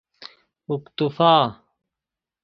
اکتفاء